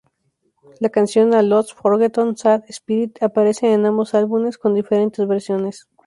La canción "A Lost Forgotten Sad Spirit" aparece en ambos álbumes con diferentes versiones.